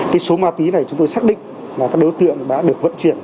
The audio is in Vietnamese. cái số ma túy này chúng tôi xác định là các đối tượng đã được vận chuyển